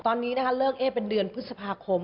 ตอนนี้นะคะเลิกเอ๊เป็นเดือนพฤษภาคม